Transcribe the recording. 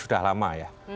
sudah lama ya